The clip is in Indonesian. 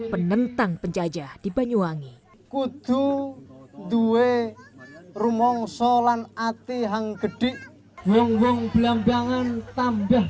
penentang penjajah di banyuwangi kudu dua rumong sholan atihang gede ngomong belambangan tambah